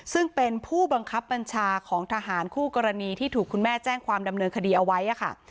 ซึ่งเป็นผู้บังคับบัญชาของทหารคู่กรณีที่ถูกคุณแม่แจ้งความดำเนินคดีเอาไว้ค่ะ